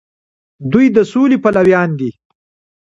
دوی د سولې پلویان دي.